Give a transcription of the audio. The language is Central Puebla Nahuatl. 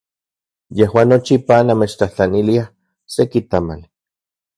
Yejuan nochipa namechtlajtlaniliaj seki tamali.